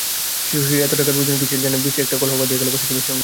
শশীর এত টাকার প্রয়োজন কিসের কে জানে বিশ্রী একটা কলহ বাধিয়া গেল বাসুদেবের সঙ্গে।